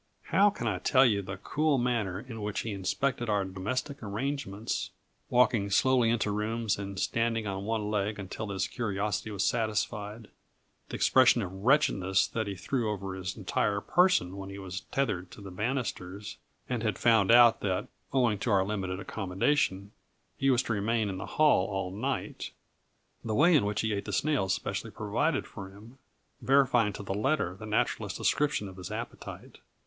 How can I tell you the cool manner in which he inspected our domestic arrangements? walking slowly into rooms, and standing on one leg until his curiosity was satisfied; the expression of wretchedness that he threw over his entire person when he was tethered to the banisters, and had found out that, owing to our limited accommodation, he was to remain in the hall all night; the way in which he ate the snails specially provided for him, verifying to the letter the naturalist's description of his appetite.